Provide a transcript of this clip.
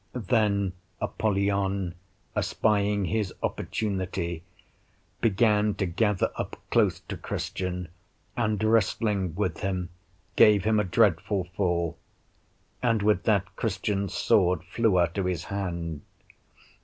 Then Apollyon, espying his opportunity, began to gather up close to Christian, and wrestling with him, gave him a dreadful fall; and with that Christian's sword flew out of his hand.